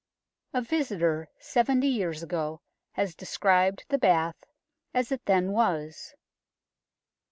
A visitor seventy years ago has described the bath as it then was.